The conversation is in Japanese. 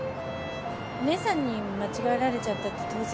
お姉さんに間違えられちゃったって当然だよ。